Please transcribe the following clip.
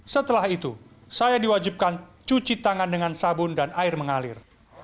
setelah itu saya diwajibkan cuci tangan dengan sabun dan air mengalir